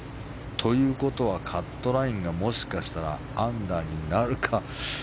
ということは、カットラインがもしかしたらアンダーになるか。